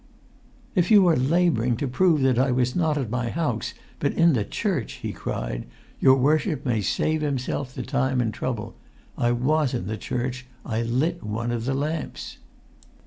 [Pg 158]"If you are labouring to prove that I was not at my house, but in the church," he cried, "your worship may save himself the time and trouble. I was in the church. I lit one of the lamps."